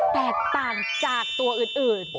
แตกต่างจากตัวอื่น